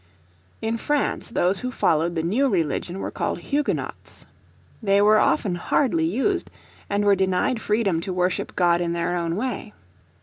In France those who followed the new religion were called Huguenots. They were often hardly used, and were denied freedom to worship God in their own way.